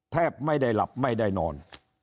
แทบไม่ได้หลับไม่ได้นอน